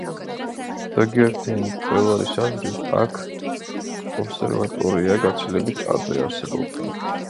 ზოგიერთი მკვლევარის აზრით, აქ ობსერვატორია გაცილებით ადრე არსებობდა.